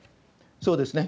そうですね。